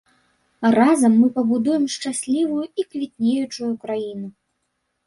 Разам мы пабудуем шчаслівую і квітнеючую краіну!